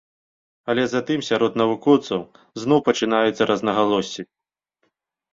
Але затым сярод навукоўцаў зноў пачынаюцца рознагалоссі.